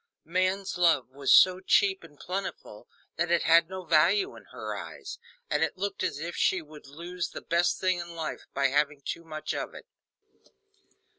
Man's love was so cheap and plentiful that it had no value in her eyes, and it looked as if she would lose the best thing in life by having too much of it.